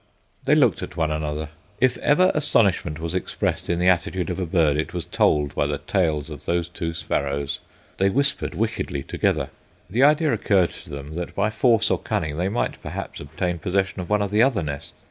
They looked at one another. If ever astonishment was expressed in the attitude of a bird it was told by the tails of those two sparrows. They whispered wickedly together. The idea occurred to them that by force or cunning they might perhaps obtain possession of one of the other nests.